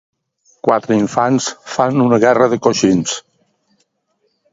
Quatre infants fan una guerra de coixins.